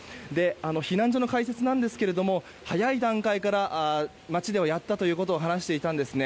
避難所の開設なんですが早い段階から町ではやったということを話していたんですね。